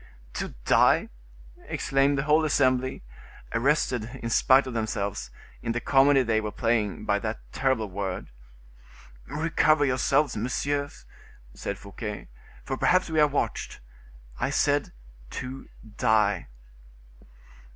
"To die!" exclaimed the whole assembly, arrested, in spite of themselves, in the comedy they were playing, by that terrible word. "Recover yourselves, messieurs," said Fouquet, "for perhaps we are watched—I said: to die!"